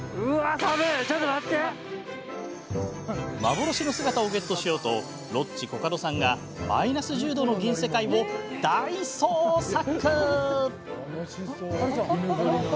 幻の姿をゲットしようとロッチ、コカドさんがマイナス１０度の銀世界を大捜索。